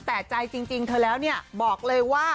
แต่ใจเธอแกล้วเดียวบอกเลยว่า